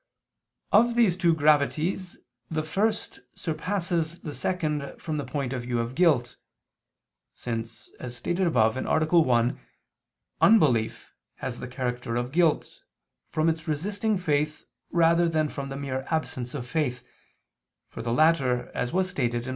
Of these two gravities the first surpasses the second from the point of view of guilt; since, as stated above (A. 1) unbelief has the character of guilt, from its resisting faith rather than from the mere absence of faith, for the latter as was stated (A.